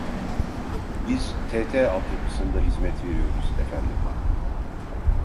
Biz tt altyapısında hizmet veriyoruz efendim